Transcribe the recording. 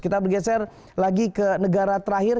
kita bergeser lagi ke negara terakhir